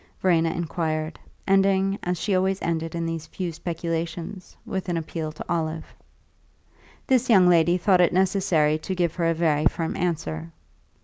Verena inquired, ending, as she always ended in these few speculations, with an appeal to Olive. This young lady thought it necessary to give her a very firm answer.